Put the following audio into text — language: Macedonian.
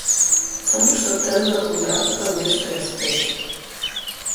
Само што тргна кон вратата нешто ја спречи.